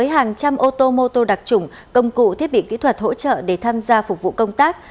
hàng trăm ô tô mô tô đặc trủng công cụ thiết bị kỹ thuật hỗ trợ để tham gia phục vụ công tác